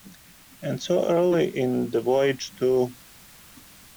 And so early in the voyage, too.